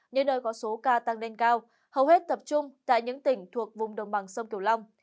những nơi có số ca tăng lên cao hầu hết tập trung tại những tỉnh thuộc vùng đồng bằng sông kiều long